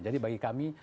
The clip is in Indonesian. jadi bagi kami